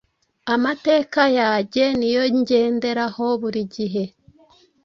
Amateka yajye niyo ngenderaho buri gihe